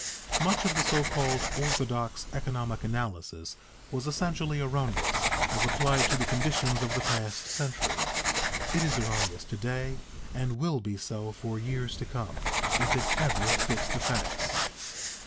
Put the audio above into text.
Much of the so called orthodox economic analysis was essentially erroneous as applied to the conditions of the past century; it is erroneous to day and will be so for years to come, if it ever fits the facts.